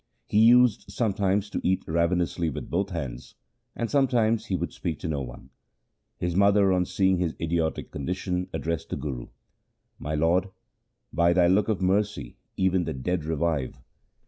He used sometimes to eat ravenously with both hands, and sometimes he would speak to no one. His mother, on seeing his idiotic condition, addressed the Guru, ' My lord, by thy look of mercy even the dead revive.